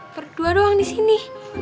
berdua doang disini